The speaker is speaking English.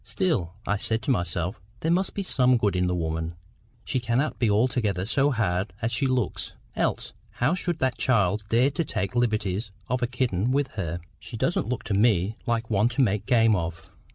"Still," I said to myself, "there must be some good in the woman—she cannot be altogether so hard as she looks, else how should that child dare to take the liberties of a kitten with her? She doesn't look to ME like one to make game of!